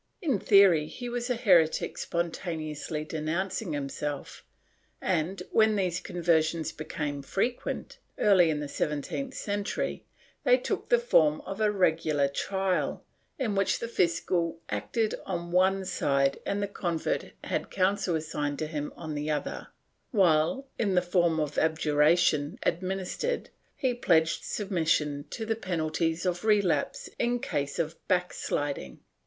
In theory he was a heretic spontaneously denouncing himself and, when these conversions became frequent, early in the seventeenth century, they took the form of a regular trial, in which the fiscal acted on one side and the convert had counsel assigned to him on the other while, in the form of abjuration admin istered, he pledged submission to the penalties of relapse in case of backsHding.